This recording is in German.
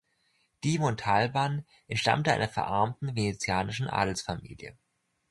Di Montalban entstammte einer verarmten venezianischen Adelsfamilie.